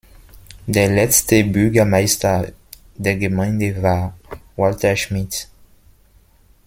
Der letzte Bürgermeister der Gemeinde war Walter Schmidt.